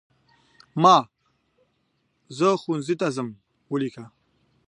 ما "زه ښوونځي ته ځم" ولیکل.